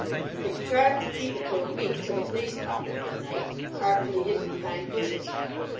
They contrived to keep it for a week—till the police found it one night, artfully hidden behind bushes.